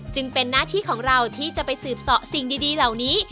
จึงเป็นหน้าที่ของเราที่จะไปสืบเสาะสิ่งดีเหล่านี้